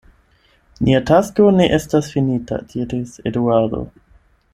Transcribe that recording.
Nia tasko ne estas finita, diris Eduardo.